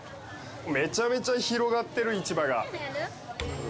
めちゃめちゃ広がってる市場が。